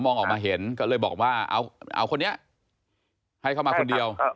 มองออกมาเห็นก็เลยบอกว่าเอาคนนี้ให้เข้ามาคนเดียว